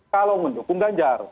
kalau mendukung ganjar